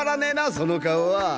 その顔は。